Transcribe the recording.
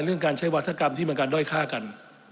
เรื่องการใช้วัฒกรรมที่มันการด้อยฆ่ากัน